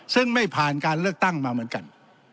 ซึ่งไม่ผ่านการเลือกตั้งมาเหมือนกัน